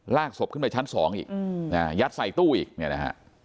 ศพขึ้นไปชั้น๒อีกยัดใส่ตู้อีกเนี่ยนะฮะ